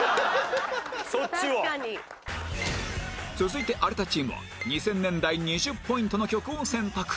続いて有田チームは２０００年代２０ポイントの曲を選択